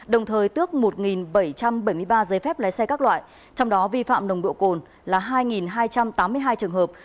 đồng thời tước một bảy trăm bảy mươi ba giấy phép lái xe các loại trong đó vi phạm nồng độ cồn là hai hai trăm tám mươi hai trường hợp